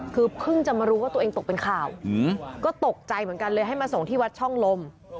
คือเพิ่งจะมารู้ว่าตัวเองตกเป็นข่าวก็ตกใจเหมือนกันเลยให้มาส่งที่วัดช่องลม